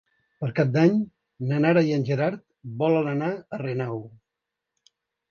Per Cap d'Any na Nara i en Gerard volen anar a Renau.